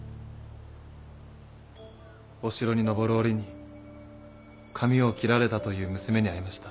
お城に上る折に髪を切られたという娘に会いました。